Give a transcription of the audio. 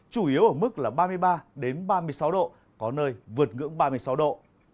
chủ yếu ở mức là ba mươi ba ba mươi sáu độ có nơi vượt ngưỡng ba mươi sáu độ